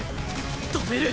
止める！